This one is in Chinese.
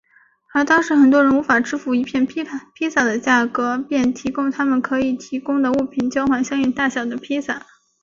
而当时很多人无法支付一片披萨的价格便提供他们可以提供的物品交换相应大小的披萨。